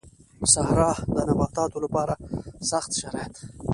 صحرا د نباتاتو لپاره سخت شرايط